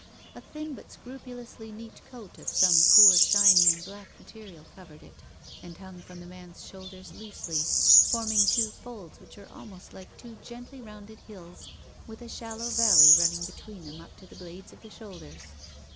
A thin but scrupulously neat coat of some poor shiny and black material covered it, and hung from the man's shoulders loosely, forming two folds which were almost like two gently rounded hills with a shal low valley running between them up to the blades of the shoulders.